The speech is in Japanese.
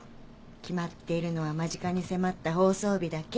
決まっているのは間近に迫った放送日だけ。